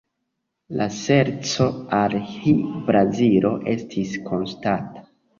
La serĉo al Hi-Brazilo estis konstanta.